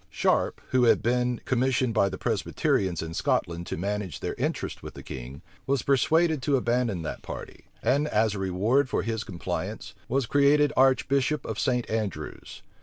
Sharp, who had been commissioned by the Presbyterians in Scotland to manage their interests with the king, was persuaded to abandon that party; and, as a reward for his compliance, was created archbishop of St. Andrews.